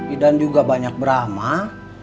idan juga banyak beramal